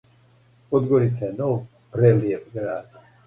Подгорица је нов, прелијеп град.